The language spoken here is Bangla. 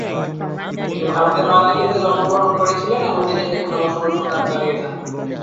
তিনি ভারতের নয়াদিল্লিতে জন্মগ্রহণ করেছিলেন এবং তিনি সেখানে বসবাস ও কাজ চালিয়ে যান।